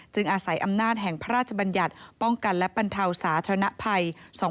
อาศัยอำนาจแห่งพระราชบัญญัติป้องกันและบรรเทาสาธารณภัย